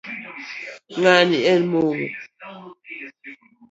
Ngani en momo